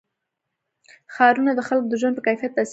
ښارونه د خلکو د ژوند په کیفیت تاثیر کوي.